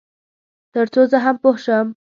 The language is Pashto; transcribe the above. تر څو زه هم پوه شم.